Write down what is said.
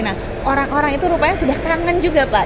nah orang orang itu rupanya sudah kangen juga pak